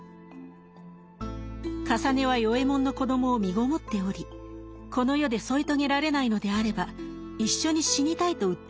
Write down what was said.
かさねは与右衛門の子供をみごもっておりこの世で添い遂げられないのであれば一緒に死にたいと訴えるのでした。